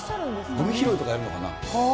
ごみ拾いとかやるのかな。